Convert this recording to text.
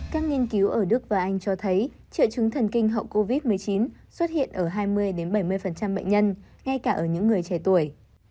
các nghiên cứu ở đức và anh cho thấy triệu chứng thần kinh hậu covid một mươi chín xuất hiện ở hai mươi bảy mươi bệnh nhân ngay cả ở những người trẻ tuổi